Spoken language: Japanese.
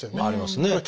ありますね。